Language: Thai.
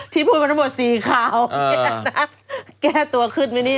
ที่พูดมันทั้งหมด๔คราวแก้ตัวขึ้นมั้ยเนี่ย